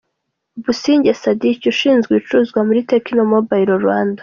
Businge Sadick, ushinzwe ibicuruzwa muri Tecno Mobile Rwanda .